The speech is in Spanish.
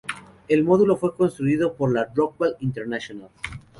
El módulo fue construido por Rockwell International.